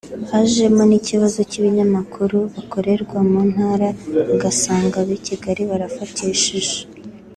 Hajemo n’ikibazo cy’ ibinyamakuru bakorerwa mu ntara ugasanga abi Kigali barafatishije